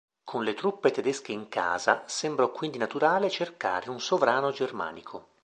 Con le truppe tedesche in casa, sembrò quindi naturale cercare un sovrano germanico.